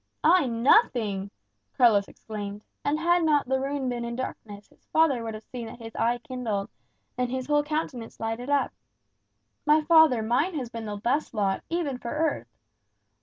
"I nothing!" Carlos exclaimed; and had not the room been in darkness his father would have seen that his eye kindled, and his whole countenance lighted up. "My father, mine has been the best lot, even for earth.